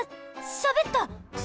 しゃべった！